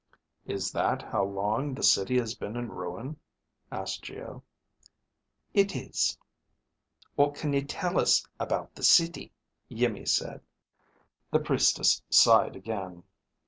"Is that how long the city has been in ruin?" asked Geo. "It is." "What can you tell us about the city?" Iimmi said. The Priestess sighed again.